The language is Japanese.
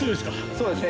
そうですね。